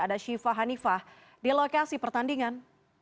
ada shiva hanifah di lokasi pertandingan